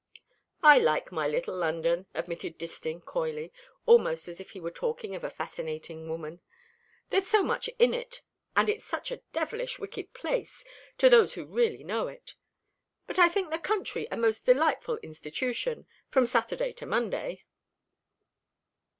"I like my little London," admitted Distin coyly, almost as if he were talking of a fascinating woman. "There's so much in it, and it's such a devilish wicked place, to those who really know it. But I think the country a most delightful institution from Saturday to Monday."